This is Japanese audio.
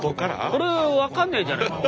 これ分かんないんじゃないの？